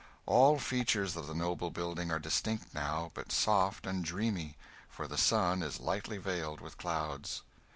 All features of the noble building are distinct now, but soft and dreamy, for the sun is lightly veiled with clouds.